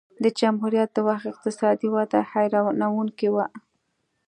د جمهوریت د وخت اقتصادي وده حیرانوونکې وه.